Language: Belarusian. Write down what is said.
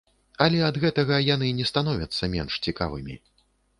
Але ад гэтага яны не становяцца менш цікавымі.